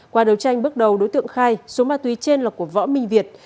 qua đấu tranh bước đầu đối tượng khai số ma túy trên là của võ minh việt